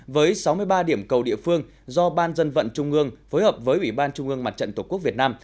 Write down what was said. với sáu mươi ba điểm cầu địa phương do ban dân vận trung ương phối hợp với ủy ban trung ương mặt trận tổ quốc việt nam